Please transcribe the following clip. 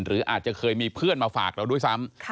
หรืออาจจะเคยมีเพื่อนมาฝากเราด้วยซ้ำ